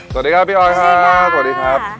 สวัสดีครับพี่ออยครับสวัสดีครับ